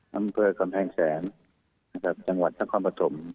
อำเภอกำแพงแสนนะครับจังหวัดนครปฐม